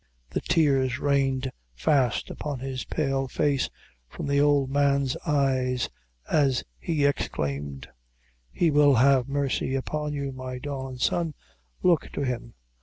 The tears rained fast upon his pale face from the old man's eyes, as he exclaimed "He will have mercy upon you, my darlin' son; look to Him.